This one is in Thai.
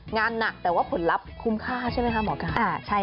งานหนักแต่ว่าผลลัพธ์คุ้มค่าใช่ไหมคะหมอไก่